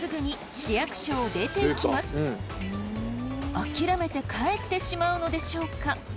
諦めて帰ってしまうのでしょうか？